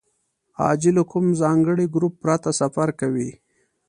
حاجي له کوم ځانګړي ګروپ پرته سفر کوي.